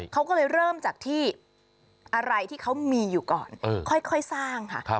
เขาก็เลยเริ่มจากที่อะไรที่เขามีอยู่ก่อนค่อยสร้างค่ะ